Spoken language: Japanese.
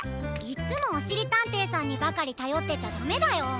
いっつもおしりたんていさんにばかりたよってちゃダメだよ。